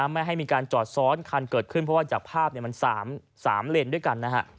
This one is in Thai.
ไม่ให้มีการจอดซ้อนคันเกิดขึ้นเพราะว่าจากภาพมัน๓เลนด้วยกันนะฮะ